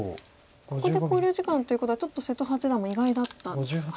ここで考慮時間ということはちょっと瀬戸八段も意外だったんですかね。